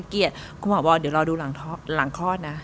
เกลียดก็บอกว่าเดี๋ยวรอดูหลังคลอดนะ